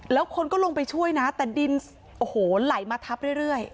แล้วคนก็ลงไปช่วยนะแต่ดินโอ้โหไหลมาทับเรื่อย